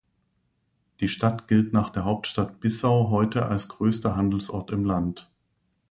Die Stadt gilt nach der Hauptstadt Bissau heute als größter Handelsort im Land.